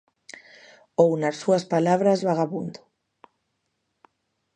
Ou nas súas palabras, vagabundo.